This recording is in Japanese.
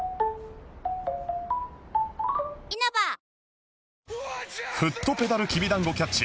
本麒麟フットペダルきびだんごキャッチ